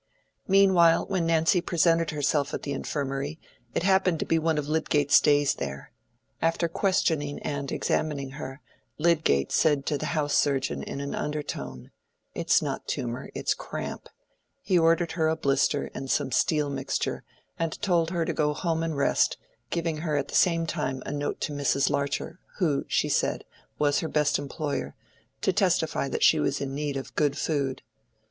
Meanwhile when Nancy presented herself at the Infirmary, it happened to be one of Lydgate's days there. After questioning and examining her, Lydgate said to the house surgeon in an undertone, "It's not tumor: it's cramp." He ordered her a blister and some steel mixture, and told her to go home and rest, giving her at the same time a note to Mrs. Larcher, who, she said, was her best employer, to testify that she was in need of good food.